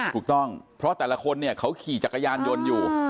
ถูกต้องเพราะแต่ละคนเนี่ยเขาขี่จักรยานยนต์อยู่